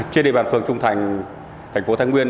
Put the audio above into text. trên địa bàn phường trung thành thành phố thái nguyên